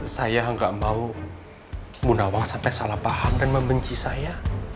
saya gak mau bunda wang sampai salah paham dan membenci saya